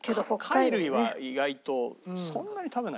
貝類は意外とそんなに食べない。